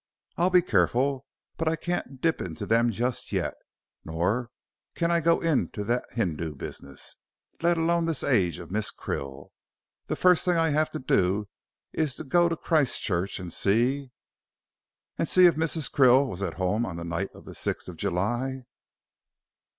"I'll be careful. But I can't dip into them just yet, nor can I go into the Hindoo business, let alone this age of Miss Krill. The first thing I have to do is to go to Christchurch and see " "And see if Mrs. Krill was at home on the night of the sixth of July."